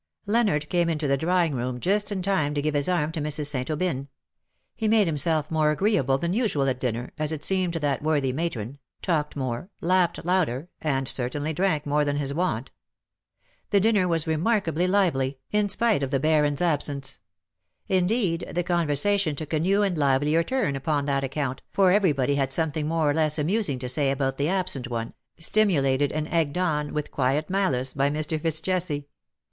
Leonard came into the drawing room just in time to give his arm to Mrs. St. Aubyn. He made himself more agreeable than usual at dinner, as it seemed to that worthy matron — talked more — laughed louder — and certainly drank more than his wont. The dinner was remarkably lively, in K 2 244 '' LOVE BORE SUCH BITTER spite of the Baron's absence ; indeed^ the con versation took a new and livelier turn upon that account^ for everybody had something more or less amusing to say about the absent one stimulated and egged on with quiet malice by Mr. Fitz Jesse.